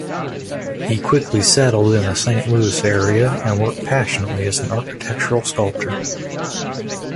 He quickly settled in the St.Louis area and worked passionately as an architectural sculptor.